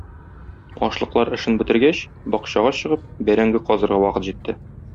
Ашлыклар эшен бетергәч, бакчага чыгып, бәрәңге казырга вакыт җитте.